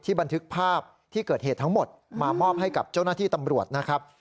บันทึกภาพที่เกิดเหตุทั้งหมดมามอบให้กับเจ้าหน้าที่ตำรวจนะครับ